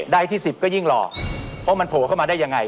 ใดที่๑๐ก็ยิ่งหล่อเพราะมันโผล่เข้ามาได้ยังไง